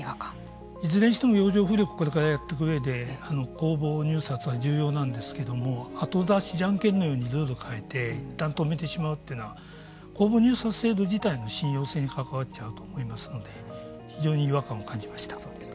いずれにしても洋上風力をこれからやっていくうえで公募入札は重要なんですけども後出しじゃんけんのようにルールを変えていったん止めてしまうというのは公募入札制度自体の信用性に関わると思いますので非常に違和感を感じました。